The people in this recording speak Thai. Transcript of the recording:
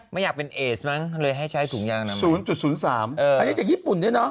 ไม่อยากเป็นเอสปลุ๊คเลยให้ใช้ถุงยางน่ะเลย